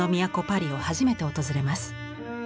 パリを初めて訪れます。